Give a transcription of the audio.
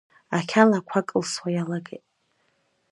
Ақьала ақәа кылсуа иалагеит.